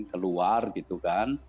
keluar gitu kan